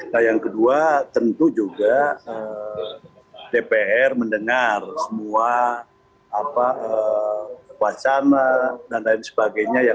nah yang kedua tentu juga dpr mendengar semua wacana dan lain sebagainya ya